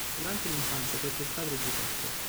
Durante l'infanzia perde il padre, Giuseppe.